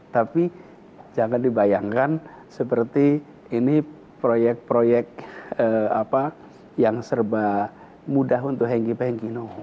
tapi jangan dibayangkan seperti ini proyek proyek yang serba mudah untuk hengki pengkino